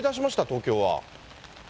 東京は。